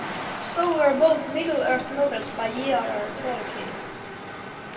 So were both Middle-earth novels by J. R. R. Tolkien.